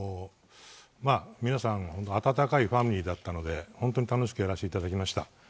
皆さん温かいファミリーだったので楽しくやらせていただきました。